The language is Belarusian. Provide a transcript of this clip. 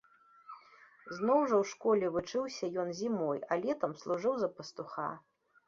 Зноў жа ў школе вучыўся ён зімой, а летам служыў за пастуха.